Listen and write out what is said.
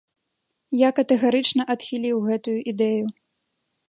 Я катэгарычна адхіліў гэтую ідэю.